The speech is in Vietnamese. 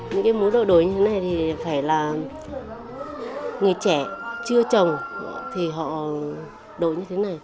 những mối độ đổi như thế này thì phải là người trẻ chưa trồng thì họ đổi như thế này